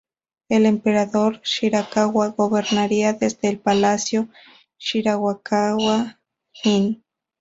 El Emperador Shirakawa gobernaría desde el palacio Shirakawa-in.